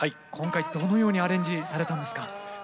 今回どのようにアレンジされたんですか？